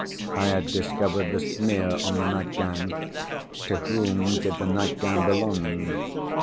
I had discovered the smear on the nightgown. To whom did the nightgown belong?